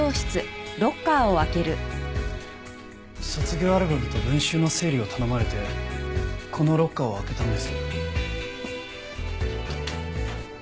卒業アルバムと文集の整理を頼まれてこのロッカーを開けたんです。